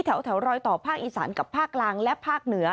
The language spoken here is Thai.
แถวรอยต่อภาคอีสานกับภาคกลางและภาคเหนือ